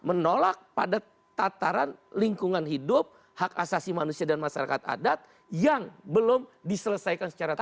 menolak pada tataran lingkungan hidup hak asasi manusia dan masyarakat adat yang belum diselesaikan secara tata